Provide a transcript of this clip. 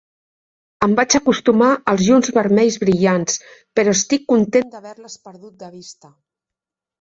Em vaig acostumar als llums vermells brillants, però estic content d'haver-les perdut de vista.